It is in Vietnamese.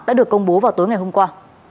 đã được công bố vào tối ngày hôm qua